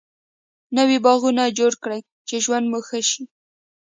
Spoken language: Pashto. نوي باغوانه جوړ کړي چی ژوند مو ښه سي